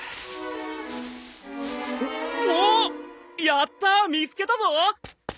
やった見つけたぞ！